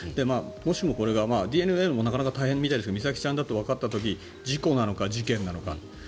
もしも、これがＤＮＡのほうもなかなか大変みたいですが美咲ちゃんだとわかった時事故なのか事件なのか。